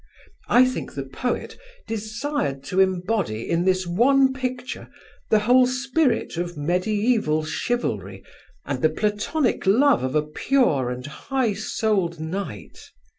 I think the poet desired to embody in this one picture the whole spirit of medieval chivalry and the platonic love of a pure and high souled knight.